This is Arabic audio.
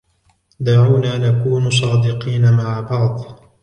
دعونا نكون صادقين معَ بعض.